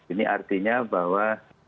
ini artinya bahwa